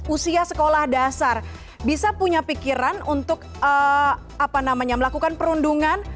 usia sekolah dasar bisa punya pikiran untuk melakukan perundungan